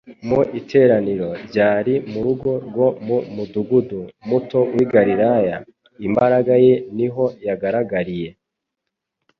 Mu iteraniro ryari mu rugo rwo mu mudugudu muto w’i Galilaya imbaraga ye niho yagaragariye,